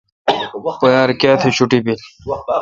پو یار کیاتہ شوٹ بیل۔